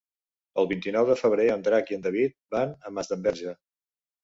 El vint-i-nou de febrer en Drac i en David van a Masdenverge.